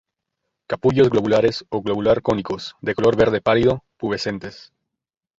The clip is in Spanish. Capullos globulares ó globular-cónicos, de color verde pálido, pubescentes.